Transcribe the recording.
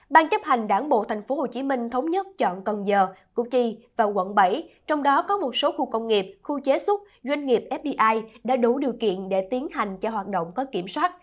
ban chấp hành đảng bộ tp hcm thống nhất chọn cần giờ củ chi và quận bảy trong đó có một số khu công nghiệp khu chế xuất doanh nghiệp fdi đã đủ điều kiện để tiến hành cho hoạt động có kiểm soát